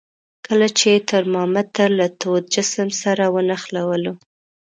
کله چې ترمامتر له تود جسم سره ونښلولو.